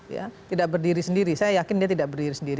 ya tidak berdiri sendiri saya yakin dia tidak berdiri sendiri